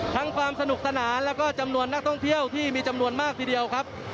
ความสนุกสนานแล้วก็จำนวนนักท่องเที่ยวที่มีจำนวนมากทีเดียวครับ